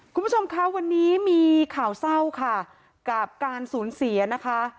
คุณผู้ชมคะวันนี้มีข่าวเศร้าค่ะกับการสูญเสียนะคะ